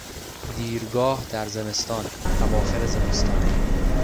دیرگاه در زمستان، اواخر زمستان